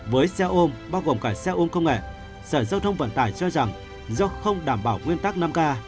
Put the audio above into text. với xe ôm bao gồm cả xe ôm công nghệ sở giao thông vận tải cho rằng do không đảm bảo nguyên tắc năm k